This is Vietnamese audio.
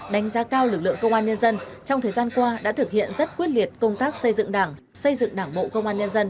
đánh giá cao lực lượng công an nhân dân trong thời gian qua đã thực hiện rất quyết liệt công tác xây dựng đảng xây dựng đảng bộ công an nhân dân